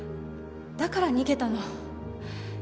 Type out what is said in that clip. だから逃げたの。